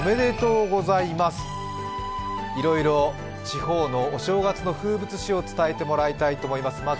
いろいろ地方のお正月の風物詩を伝えてもらいたいと思います。